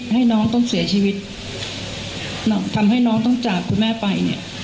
ให้น้องต้องเสียชีวิตน้องทำให้น้องต้องจากคุณแม่ไปเนี่ย